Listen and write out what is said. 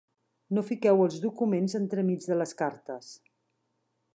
No fiqueu els documents entremig de les cartes.